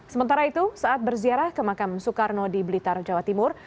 sementara itu saat berziarah ke makam soekarno di blitar jawa timur